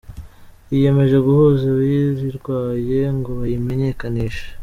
yiyemeje guhuza abayirwaye ngo bayimenyekanishe